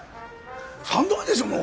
３度目でしょもう！